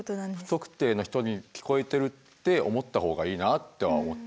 不特定の人に聞こえてるって思った方がいいなとは思ってるよね。